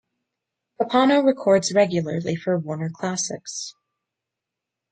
Pappano records regularly for Warner Classics.